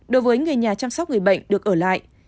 đối với người nhà chăm sóc người bệnh được ở lại